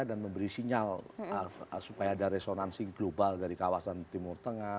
dan memberi sinyal supaya ada resonansi global dari kawasan timur tengah